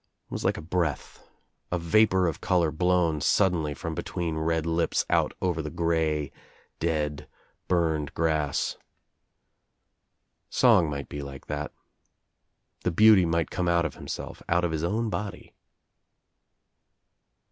It was like a breath, a 212 THE TRIUMPH OF THE BGCI vapor of color blown suddenly from between red Upa out over the grey dead burned grass. Song might be like that. The beauty might come out of himself, out of his own body.